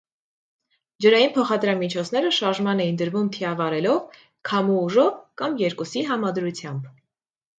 Ջրային փոխադրամիջոցները շարժման էին դրվում թիավարելով, քամու ուժով կամ երկուսի համադրությամբ։